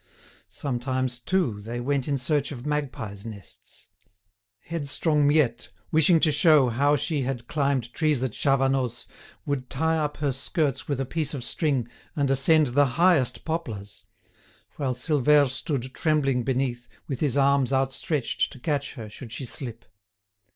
Sometimes, too, they went in search of magpies' nests. Headstrong Miette, wishing to show how she had climbed trees at Chavanoz, would tie up her skirts with a piece of string, and ascend the highest poplars; while Silvère stood trembling beneath, with his arms outstretched to catch her should she slip.